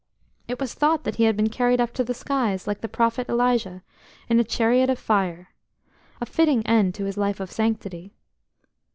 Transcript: It was thought that he had been carried up to the skies, like the prophet Elijah, in a chariot of fire: a fitting end to his life of sanctity."